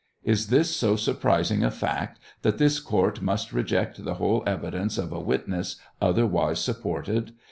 Is this so surprising a fact that this court must reject the whole evidence of a witness otherwise supported